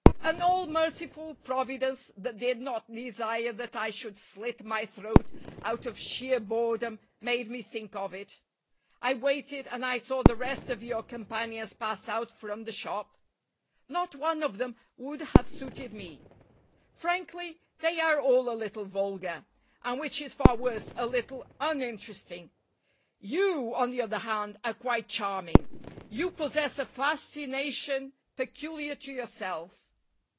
"An all merciful Providence that did not desire that I should slit my throat out of sheer boredom made me think of it. I waited, and I saw the rest of your companions pass out from the shop. Not one of them would have suited me. Frankly, they are all a little vulgar, and, which is far worse, a little uninteresting. You, on the other hand, are quite charming. You possess a fascination peculiar to yourself."